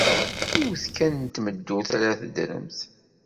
Yiwet kan n tmeddurt ara teddremt.